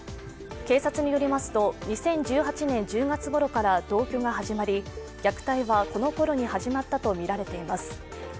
警察によりますと２０１８年１０月ごろから同居が始まり虐待はこの頃に始まったとみられています。